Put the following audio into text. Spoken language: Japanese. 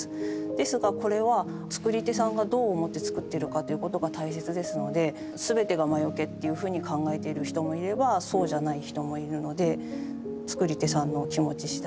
ですがこれは作り手さんがどう思って作ってるかということが大切ですので全てが魔よけっていうふうに考えてる人もいればそうじゃない人もいるので作り手さんの気持ち次第。